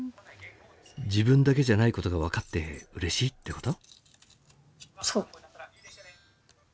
自分だけじゃないことが分かってうれしいってこと？